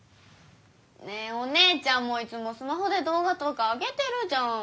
ねえお姉ちゃんもいつもスマホでどう画とかあげてるじゃん。